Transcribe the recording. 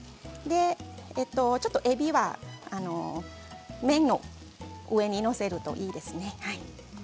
ちょっとえびは麺の上に載せるといいですね。